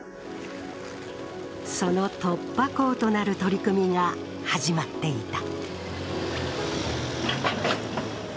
その突破口となる取り組みが始まっていた。